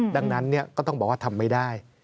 ดังนั้นก็ต้องบอกว่าทำไม่ได้